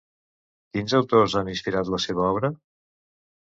Quins autors han inspirat la seva obra?